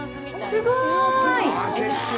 すごーい。